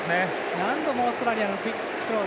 何度もオーストラリアのクイックスロー。